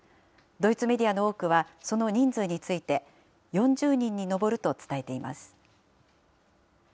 ドイツメディアの多くは、その人数について、４０人に上ると伝えています。